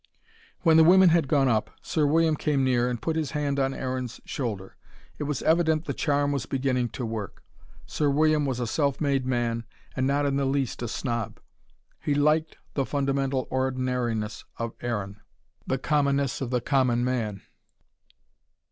When the women had gone up, Sir William came near and put his hand on Aaron's shoulder. It was evident the charm was beginning to work. Sir William was a self made man, and not in the least a snob. He liked the fundamental ordinariness in Aaron, the commonness of the common man.